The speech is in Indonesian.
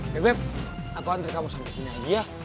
beb beb aku anggil kamu sampai sini aja ya